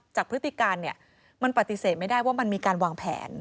พฤติการเนี่ยมันปฏิเสธไม่ได้ว่ามันมีการวางแผน